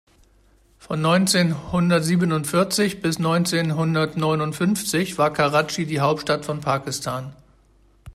Von neunzehn-hundert-siebundvierzig bis neunzehn-hundert-neunundfünfzig war Karatschi die Hauptstadt von Pakistan.